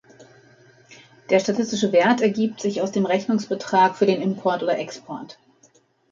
Der statistische Wert ergibt sich aus dem Rechnungsbetrag für den Import oder Export.